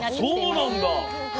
あっそうなんだ。